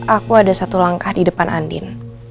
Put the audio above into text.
aku ada satu langkah di depan andin